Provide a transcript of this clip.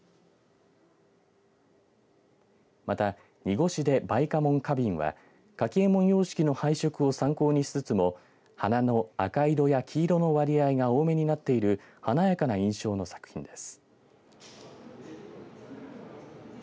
また、濁手梅花文花瓶は柿右衛門様式の配色を参考にしつつも花の赤色や黄色の割合が多めになっている華やかな印象の作品です。